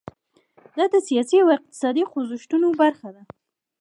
دا د سیاسي او اقتصادي خوځښتونو برخه ده.